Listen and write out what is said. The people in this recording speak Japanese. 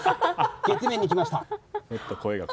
月面に来ました。